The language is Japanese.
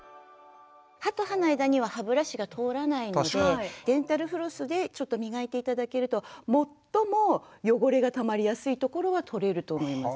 歯と歯の間には歯ブラシが通らないのでデンタルフロスでちょっと磨いて頂けると最も汚れがたまりやすいところはとれると思います。